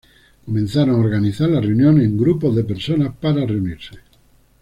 Comenzaron a organizar la reunión en grupos de personas para reunirse.